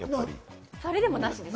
それでも、なしです。